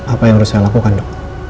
apa yang harus saya lakukan dok